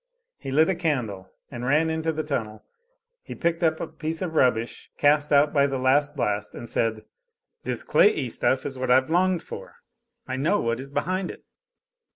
He lit a candle and ran into the tunnel; he picked up a piece of rubbish cast out by the last blast, and said: "This clayey stuff is what I've longed for I know what is behind it."